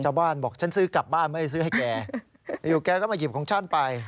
ชาวบ้านบอกฉันซื้อกลับบ้านไม่ได้ซื้อให้แกอยู่แกก็มาหยิบของฉันไป